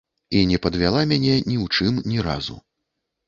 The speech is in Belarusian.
І не падвяла мяне ні ў чым, ні разу.